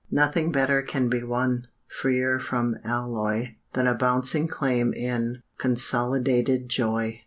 Nothing better can be won, Freer from alloy, Than a bouncing claim in "Con Solidated Joy."